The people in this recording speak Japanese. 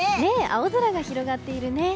青空が広がっているね。